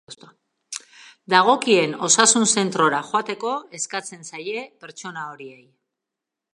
Dagokien osasun-zentrora joateko eskatzen zaie pertsona horiei.